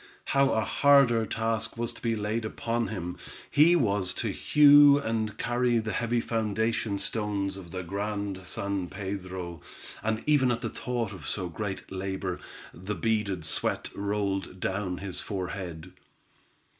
How a harder task was to be laid upon him. He was to hew and carry the heavy foundation stones of the Grand San Pedro, and even at the thought of so great labor, the beaded sweat rolled down his forehead.